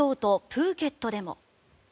プーケットでも。